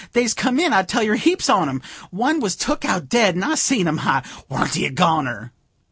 They's comin' in, I tell yer, heaps on 'em one was took out dead, and I see him, ky! warn't he a goner!"